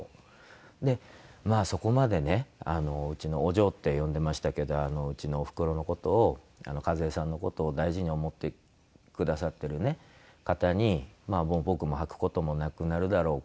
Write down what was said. まあそこまでねうちの「お嬢」って呼んでましたけどうちのおふくろの事を和枝さんの事を大事に思ってくださってる方に僕も履く事もなくなるだろう